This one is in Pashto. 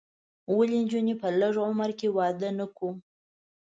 ولې نجونې په لږ عمر کې واده نه کړو؟